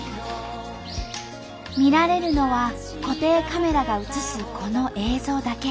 見られるのは固定カメラが映すこの映像だけ。